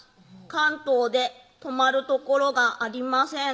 「関東で泊まる所がありません」